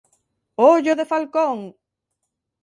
Ollo de falcón!